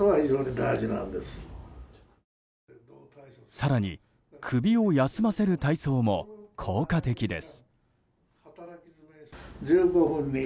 更に、首を休ませる体操も効果的です。